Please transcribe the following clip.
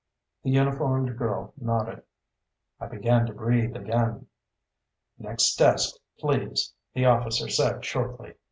The uniformed girl nodded. I began to breathe again. "Next desk, please," the officer said shortly.